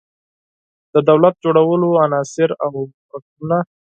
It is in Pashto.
د دولت جوړولو عناصر او رکنونه